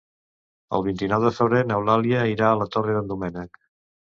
El vint-i-nou de febrer n'Eulàlia irà a la Torre d'en Doménec.